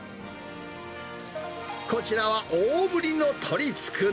こちらは大ぶりの鶏つくね。